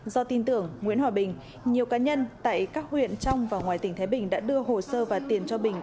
do tin tưởng nguyễn hòa bình nhiều cá nhân tại các huyện trong và ngoài tỉnh thái bình đã đưa hồ sơ và tiền cho bình